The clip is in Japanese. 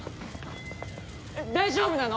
えっ大丈夫なの！？